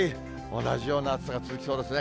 同じような暑さが続きそうですね。